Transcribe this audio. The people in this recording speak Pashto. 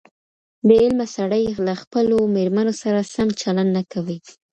بې علمه سړي له خپلو مېرمنو سره سم چلند نه کوي.